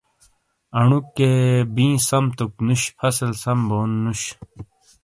اݨوکے بِیں سم توک نُوش فصل سَم بونُو نش